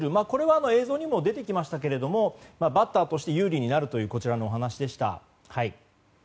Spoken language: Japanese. これは映像にも出てきましたけどバッターとして有利になるというこちらのお話でした。